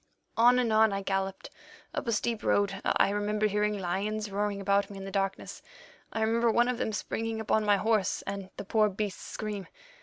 "On and on I galloped up a steep road. I remember hearing lions roaring round me in the darkness. I remember one of them springing upon my horse and the poor beast's scream.